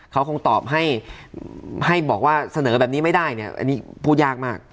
เขาคงตอบให้บอกว่าเสนอแบบนี้ไม่ได้เนี่ยอันนี้พูดยากมาก